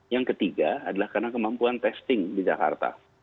yang ketiga adalah karena kemampuan testing di jakarta